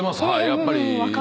やっぱり。